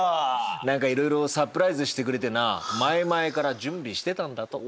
何かいろいろサプライズしてくれてな前々から準備してたんだと。